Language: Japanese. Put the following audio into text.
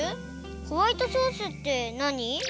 ホワイトソースってなに？